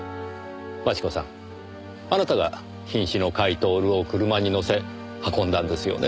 真智子さんあなたが瀕死の甲斐享を車に乗せ運んだんですよね？